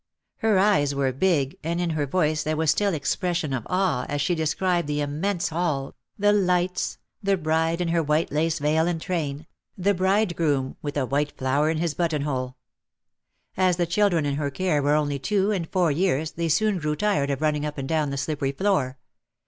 Her eyes were big and in her voice there was still expression of awe as she described the immense hall, the lights, the bride in her white lace veil and train, the bridegroom with a OUT OF THE SHADOW 171 white flower in his buttonhole. As the children in her care were only two and four years they soon grew tired of running up and down the slippery floor.